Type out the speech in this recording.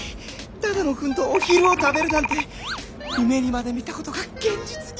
只野くんとお昼を食べるなんて夢にまで見たことが現実に！